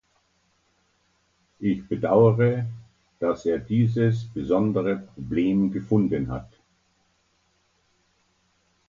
Ich bedauere, dass er dieses besondere Problem gefunden hat.